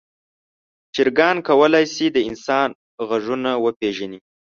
چرګان کولی شي د انسان غږونه وپیژني.